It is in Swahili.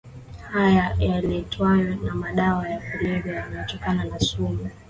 haya yaletwayo na madawa ya kulevya yanatokana na sumu